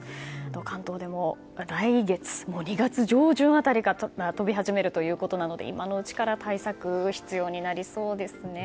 関東でも来月、２月上旬辺りから飛び始めるということなので今のうちから対策が必要になりそうですね。